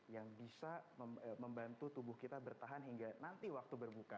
yang bisa membantu tubuh kita bertahan hingga nanti waktu berbuka